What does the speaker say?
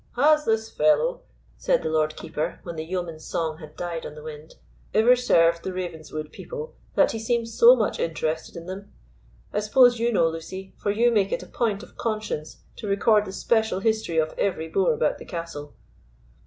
"Has this fellow," said the Lord Keeper, when the yeoman's song had died on the wind, "ever served the Ravenswood people, that he seems so much interested in them? I suppose you know, Lucy, for you make it a point of conscience to record the special history of every boor about the castle."